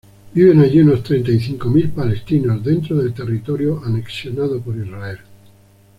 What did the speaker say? Viven allí unos treinta y cinco mil palestinos, dentro del territorio anexionado por Israel.